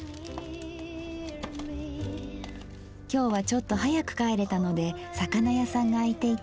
今日はちょっと早く帰れたので魚屋さんが開いていて。